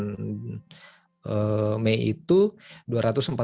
di bulan mei itu dua ratus empat puluh delapan total profit yang saya dapatkan waktu itu mas